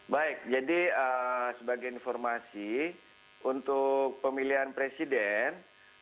baik jadi sebagai informasi untuk pemilihan presiden